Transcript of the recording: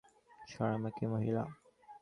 ছাড় আমাকে, মহিলা!